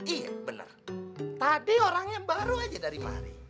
iya benar tadi orangnya baru aja dari mari